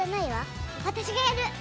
私がやる！